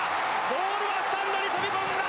ボールはスタンドに飛び込んだ！